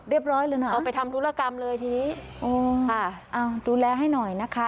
เออเอาไปทำธุรกรรมเลยทีนี้ค่ะดูแลให้หน่อยนะคะ